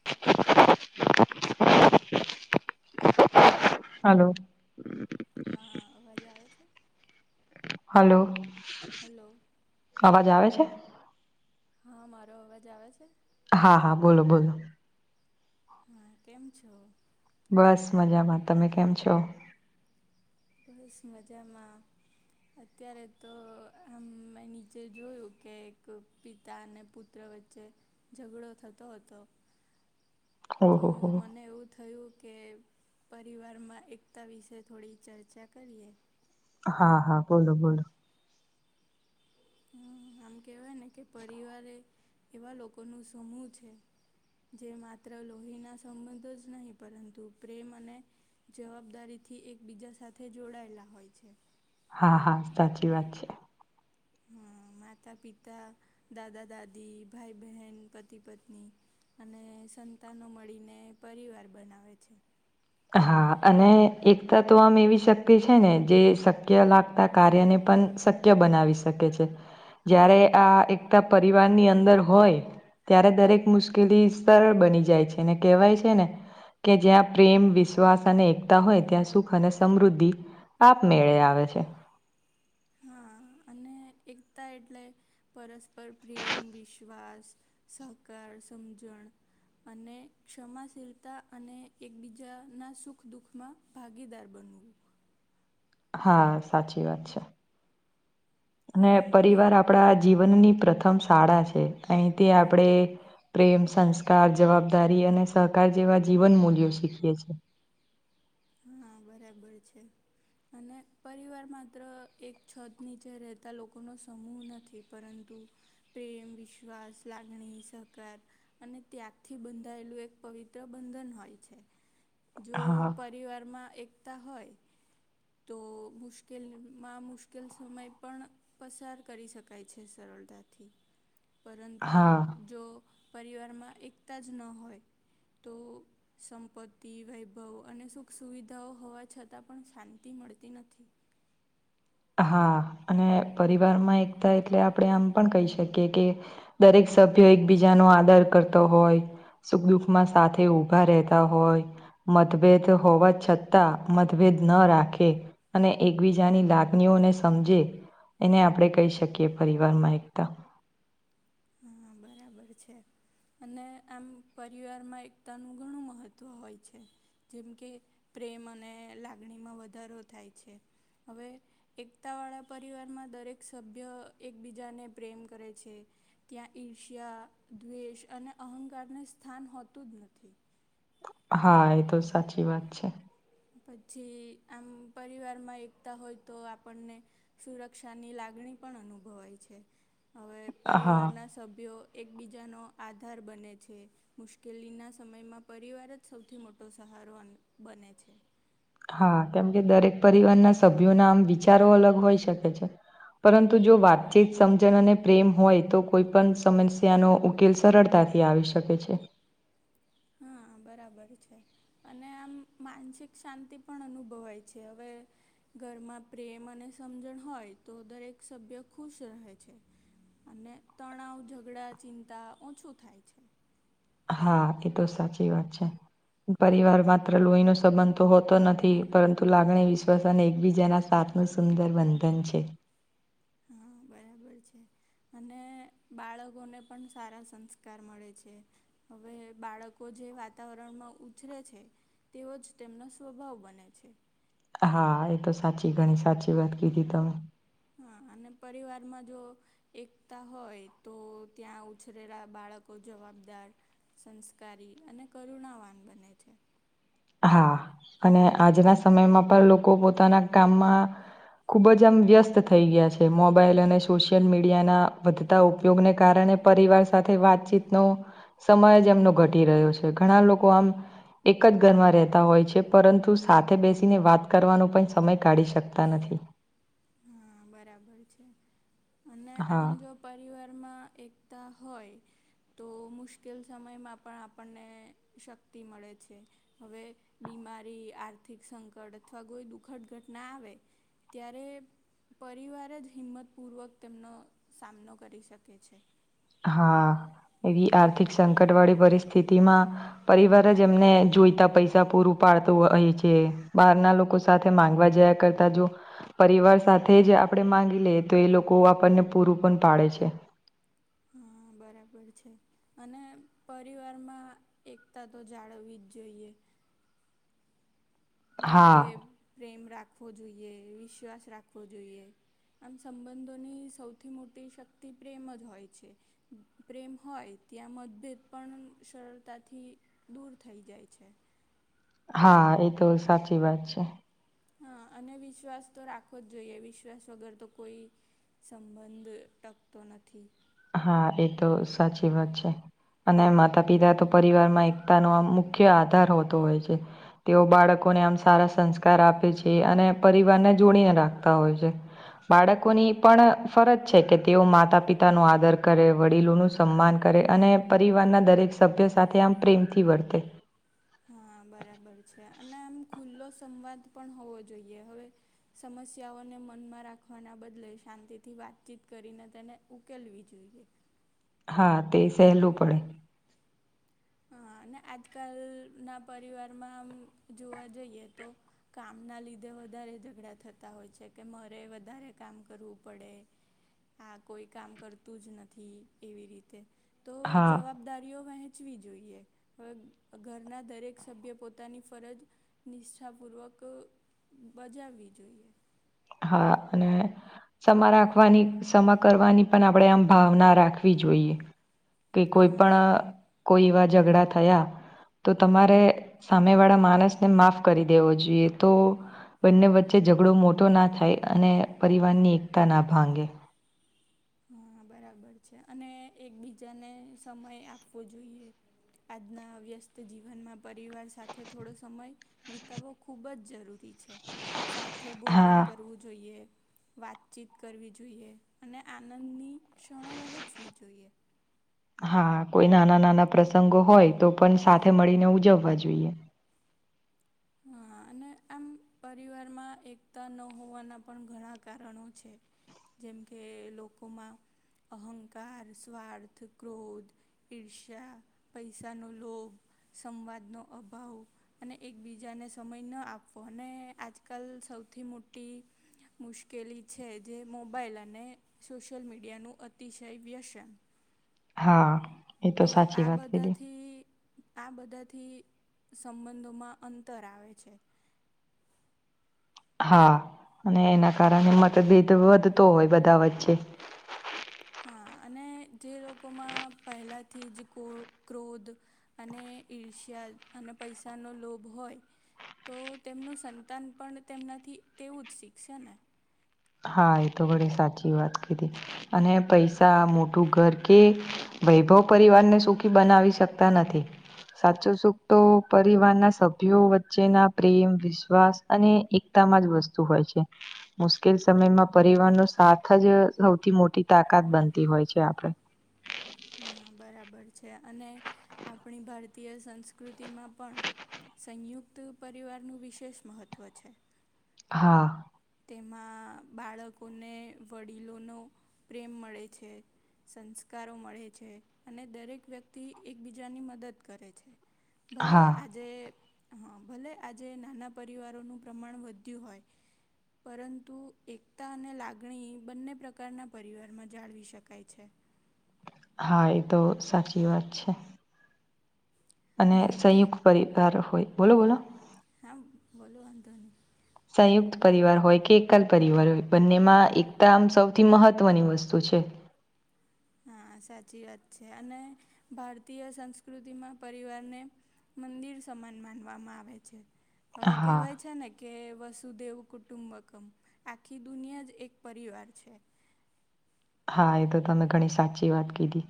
[inaudible] હાલો. હા અવાજ આવે છે? હાલો... હલો અવાજ આવે છે? હા. મારો અવાજ આવે છે? હા હા બોલો બોલો હા કેમ છો? બસ મજામાં. તમે કેમ છો? બસ મજામાં અત્યારે તો આમ મે નીચે જોયું કે એક પિતા ને પુત્ર વચ્ચે ઝઘડો થતો હતો. તો ઓહો હો મને એવું થયું કે પરિવારમાં એકતા વિશે થોડી ચર્ચા કરીએ. હા હા બોલો બોલો હમ આમ કેહેવાય ને કે પરિવારે એવા લોકો નો સમૂહ છે જે માત્ર લોહીના સંબંધો જ નહીં પરંતુ પ્રેમ અને જવાબદારીથી એકબીજા સાથે જોડાયેલા હોય છે. હા હા સાચી વાત છે. હા માતા-પિતા, દાદા-દાદી, ભાઈ-બહેન, પતિ-પત્ની, અને સંતાનો મળીને પરિવાર બનાવે છે. હા અને એકતા તો આમ એવી શક્તિ છે ને જે અશક્ય લાગતા કાર્યને પણ શક્ય બનાવી શકે છે જયારે આ એકતા પરિવારની અંદર હોય ત્યારે દરેક મુશ્કેલી સરળ બની જાય છે ને કેહેવાય છે ને કે જ્યાં પ્રેમ વિશ્વાસ અને એકતા હોય ત્યાં સુખ અને સમૃદ્ધિ આપમેળે આવે છે. હા અને એકતા એટલે પરસ્પર પ્રેમ, વિશ્વાસ, સહકાર, સમજણ અને ક્ષમાશીલતા અને એકબીજાના સુખ દુઃખમાં ભાગીદાર બનવું હા સાચી વાત છે અને હા એક પરિવાર આપ આપણા જીવનની પ્રથમ શાળા છે અહીં તી આપડે પ્રેમ, સંસ્કાર, જવાબદારી અને સહકાર જેવા જીવન મૂલ્યો શીખીવે છીએ. હા બરાબર છે. અને પરિવાર માત્ર એક છત નીચે રહેતા લોકોનો સમૂહ નથી. પરંતુ તે પ્રેમ, વિશ્વાસ, લાગણી, સહકાર અને ત્યાગથી બંધાયેલું એક પવિત્ર બંધન હોય છે. જો હા પરિવારમાં એકતા હોય તો મુશ્કેલમાં મુશ્કેલ સમય પણ પસાર કરી શકાય છે સરળતાથી પરંતુ હા જો પરિવારમાં એકતા જ ન હોય તો સંપત્તિ, વૈભવ અને સુખ સુવિધાઓ હોવા છતાં પણ શાંતિ શાંતિ મળતી નથી. હા અને પરિવારમાં એકતા એટલે આપણે આમ પણ કહી શકીએ કે દરેક સભ્ય એકબીજાનો આદર કરતો હોય સુખ દુઃખમાં સાથે ઉભા રહેતા હોય. મતભેદ હોવા છતાં મતભેદ ન રાખે અને એકબીજાની લાગ લાગણી ઓને સમજે એને આપણે કહી શકીએ પરિવાર માં એકતા હમમ બરાબર છે. અને આમ પરિવારમાં એકતાનું ઘણું મહત્ત્વ હોય છે. જેમ કે પ્રેમ અને લાગણીમાં વધારો થાય છે. હવે એકતા વાળા પરિવારમાં દરેક સભ્ય એકબીજાને પ્રેમ કરે છે. ત્યાં ઈર્ષ્યા, દ્વેષ અને અહંકારને સ્થાન હોતું જ નથી. હા એ તો સાચી વાત છે. પછી આમ પરિવારમાં એકતા હોય તો આપણને સુરક્ષાની લાગણી પણ અનુભવાય છે. હવે હા પરિવારના સભ્યો એકબીજાનો આધાર બને છે. મુશ્કેલીના સમયમાં પરિવાર જ સૌથી મોટો સહારો બને છે. હા કેમ કે દરેક પરિવારના સભ્યો ના આમ વિચારો અલગ હોઈ શકે છે. પરંતુ જો વાતચીત, સમજણ અને પ્રેમ હોય તો કોઈ પણ સમસ્યાનો ઉકેલ સરળતા થી આવી શકે છે. હા બરાબર છે. અને આમ માનસિક શાંતિ પણ અનુભવાય છે. હવે ઘરમાં પ્રેમ અને સમજણ હોય તો દરેક સભ્ય ખુશ રહે છે. અને તણાવ, ઝઘડા, ચિંતા ઓછું થાય છે. હા એ તો સાચી વાત છે. પરિવાર માત્ર લોહીનો સંબંધ તો હોતો નથી પરંતુ લાગણી, વિશ્વાસ અને એકબીજાના સાથ નો સુંદર બંધન છે. હા બરાબર છે. અને બાળકોને પણ સારા સંસ્કાર મળે છે. હવે બાળકો જે વાતાવરણમાં ઉછરે છે, તેવો જ તેમનો સ્વભાવ બને છે. હા એ તો સાચી ઘણી સાચી વાત કીધી તમે. હા અને પરિવારમાં જો એકતા હોય તો ત્યાં ઉછરેલા બાળકો જવાબદાર સંસ્કારી અને કરુણાવાન બને છે. હા અને આજના સમયમાં પણ લોકો પોતાના કામમાં ખૂબ જ આમ વ્યસ્ત થઈ ગયા છે. મોબાઈલ અને સોશિયલ મીડિયાના વધ વધતા ઉપયોગને કારણે પરિવાર સાથે વાતચીતનો સમય જ એમનો ઘટી રહ્યો છે. ઘણા લોકો આમ એક જ ઘરમાં રહેતા હોય છે પરંતુ સાથે બેસીને વાત કરવાનો પણ સમય કાઢી શકતા નથી. હા બરાબર છે અને આમ હા જો પરિવારમાં એકતા હોય તો મુશ્કેલ સમયમાં પણ આપણને શક્તિ મળે છે, હવે બીમારી આર્થિક સંકટ અથવા કોઈ દુઃખદ ઘટના આવે ત્યારે પરિવાર જ હિંમતપૂર્વક તેમનો સામનો કરી શકે છે, હા એવી આર્થિક સંકટ વાળી પરિસ્થિતિમાં પરિવાર જ એમને જોઈતા પૈસા પૂરું પાડતું હોય છે બહાર ના લોકો સાથે માંગવા જયા કરતા જો પરિવાર સાથે જ આપણે માંગી લેએ તો એ લોકો આપણને પૂરું પણ પાડે છે, હા બરાબર છે, અને પરિવારમાં એકતા તો જાળવવી જ જોઈએ જેમ હા કે પ્રેમ રાખવો જોઈએ વિશ્વાસ રાખવો જોઈએ આમ સંબંધોની સૌથી મોટી શક્તિ પ્રેમ જ હોય છે, પ્રેમ હોય ત્યાં મતભેદ પણ સરળતાથી દૂર થઈ જાય છે. હા એ તો સાચી વાત છે. હા અને વિશ્વાસ તો રાખવો જ જોઈએ વિશ્વાસ વગર તો કોઈ, સંબંધ ટકતો નથી. હા એ તો સાચી વાત છે. અને માતા પિતા તો પરિવારમાં એકતાનો આ મુખ્ય આધાર હોતો હોય છે. તેઓ બાળકોને આમ સારા સંસ્કાર આપે છે અને પરિવારને જોડીને રાખતા હોય છે. બાળકોની પણ ફરજ છે કે તેઓ માતા પિતા પિતા નો આદર કરે વડીલોનું સન્માન કરે અને પરિવારના દરેક સભ્ય સાથે આમ પ્રેમથી વર્તે. હા બરાબર છે, અને આમ ખુલ્લો સંવાદ પણ હોવો જોઈએ હવે. સમસ્યાઓને મનમાં રાખવાના બદલે શાંતિથી વાતચીત કરીને તેને ઉકેલવી જોઈએ. હા તે સહેલું પડે. હા અને આજકાલના પરિવારમાં આમ જોવા જઈએ તો, કામ ના લીધે વધારે ઝઘડા થતા હોય છે કે મારે વધારે કામ કરવું પડે, હા કોઈ કામ કરતું જ નથી એવી રીતે તો હા જવાબદારીઓ વહેંચવી જ જોઈએ હવે ઘરના દરેક સભ્ય પોતાની ફરજ, નિષ્ઠાપૂર્વક બજાવવી જોઈએ. હા અને, ક્ષમા રાખવાની ક્ષમા કરવાની પણ આપણે આમ ભાવના રાખવી જોઈએ. કે કોઈ પણ હા કોઈ એવા ઝઘડા થયા. તો તમારે સામેવાળા માણસને માફ કરી દેવો જોઈએ તો, બંને વચ્ચે ઝઘડો મોટો ના થાય અને પરિવારની એકતા ના ભાંગે, હા બરાબર છે અને એકબીજાને સમય આપવો જોઈએ. આજના વ્યસ્ત જીવનમાં પરિવાર સાથે થોડો સમય, વિતાવવો ખુબ જ જરૂરી છે. સાથે ભોજન હા કરવું જોઈએ, વાતચીત કરવી જોઈએ. અને આનંદની ક્ષણો વહેંચવી જોઈએ. હા કોઈ નાના નાના પ્રસંગો હોય તો પણ સાથે મળીને ઉજવવા જોઈએ. હા. અને આમ પરિવારમાં એકતા ન હોવાનાં પણ ઘણાં કારણો છે. જેમ કે લોકોમાં અહંકાર, સ્વાર્થ, ક્રોધ, ઈર્ષ્યા, પૈસાનો લોભ, સંવાદનો અભાવ અને એક બીજાને સમય ન આપવો અને આજકાલ સૌથી મોટી, મુશ્કેલી છે જે મોબાાઈલ અને સોશિયલ મીડિયાનું અતિશય વ્યસન. હા. એ તો સાચી આ વાત કીધી બધાથી, આ બધાથી સંબંધોમાં અંતર આવે છે. હા અને એના કારણે મતભેદ વધતો હોય બધા વચ્ચે. હા અને જે લોકોમાં પહેલાંથી જ ક ક્રોધ અને ઈર્ષ્યા અને પૈસાનો લોભ હોય. તો તેમનું સંતાન પણ તેમનાથી તેવું જ શીખશે ને. હા એ તો ઘડે સાચી વાત કીધી, અને પૈસા મોટું ઘર કે વૈભવ પરિવારને સુખી બનાવી શકતા નથી. સાચો સુખ તો પરિવારના સભ્યો વચ્ચેના પ્રેમ વિશ્વાસ અને એક તામાં જ વસ્તુ હોય છે. મુશકેલ સમયમાં પરિવારનો સાથ જ સૌથી મોટી તાકાત બનતી હોય છે આપડે. હા બરાબર છે, અને આપણી ભારતીય સંસ્કૃતિમાં પણ સંયુક્ત પરિવારનું વિશેષ મહત્ત્વ છે. હા. તેમાં બાળકોને વડીલોનો પ્રેમ મળે છે. સંસ્કારો મળે છે અને દરેક વ્યક્તિ એકબીજાની મદદ કરે છે. ભલે હા આજે હા ભલે આજે નાના પરિવારોનું પ્રમાણ વધ્યું હોય. પરંતુ એકતા અને લાગણી બંને પ્રકારના પરિવારમાં જાળવી શકાય છે. હા એ તો સાચી વાત છે. અને ભારતીય સંયુક્ત પરિવાર હોય બોલો બોલો. હા બોલો આંધો નહી. સંયુક્ત પરિવાર હોય કે એકલ પરિવાર હોય બંનેમાં એકતા આમ સૌથી મહત્ત્વની વસ્તુ છે. હા સાચી વાત છે અને, ભારતીય સંસ્કૃતિમાં પરિવારને મંદિર સમાન માનવામાં આવે છે, હવે હા કહેવાય છે ને કે વસુદેવ કુટુંબકમ, આખી દુનિયા જ એક પરિવાર છે. હા એ તો તમે ઘણી સાચી વાત કીધી.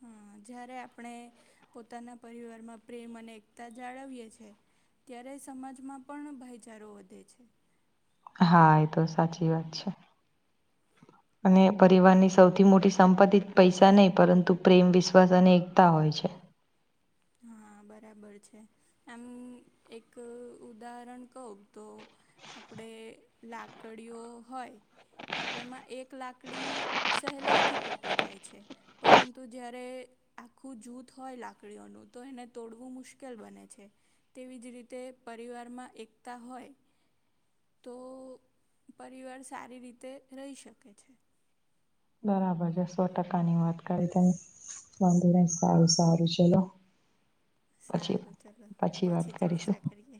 હા જ્યારે આપણે, પોતાના પરિવારમાં પ્રેમ અને એકતા જાળવીએ છીએ. ત્યારે સમાજમાં પણ ભાઈચારો વધે છે. હા એ તો સાચી વાત છે. અને પરિવારની સૌથી મોટી સંપત્તિ પૈસા નહીં પરંતુ પ્રેમ વિશ્વાસ અને એકતા હોય છે. હા બરાબર છે, આમ એક ઉદાહરણ કહ તો આપડે લાકડીઓ હોય. તો એમાં એક લાકડી સહેલાઈથી તૂટી જાય છે. પરંતુ જયારે આખું જૂથ હોય લાકડીઓનું. તો એને તોડવું મુશ્કેલ બને છે. તેવી જ રીતે પરિવારમાં એકતા હોય. તો પરિવાર સારી રીતે રહી શકે છે. બરાબર છે સો ટકા ની વાત કરી તમેં. વાંધ સારું સારું ચલો. પછી સારું ચલો પછી વાત કરીશું. ચર્ચા કરીએ